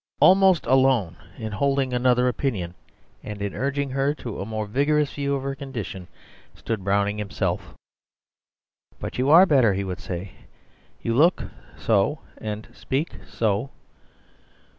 Almost alone in holding another opinion and in urging her to a more vigorous view of her condition, stood Browning himself. "But you are better," he would say; "you look so and speak so."